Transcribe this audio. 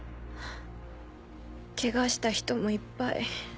ケガした人もいっぱい。